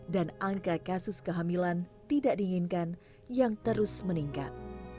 dan angka kasus kehamilan tidak diinginkan yang terus meningkat